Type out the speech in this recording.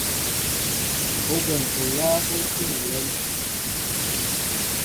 Óɓem oláá ɓɔ tí nlem.